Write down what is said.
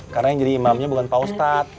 karena yang jadi imamnya bukan pak ustadz